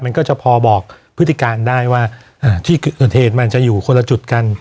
มันก็จะพอบอกพฤติการได้ว่าที่เกิดเหตุมันจะอยู่คนละจุดกัน